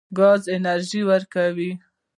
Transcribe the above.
ګاز انرژي ورکوي.